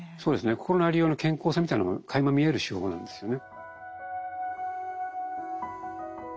心のありようの健康性みたいのがかいま見える手法なんですよね。